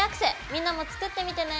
みんなも作ってみてね！